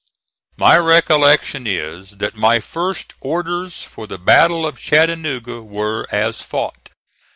My recollection is that my first orders for the battle of Chattanooga were as fought.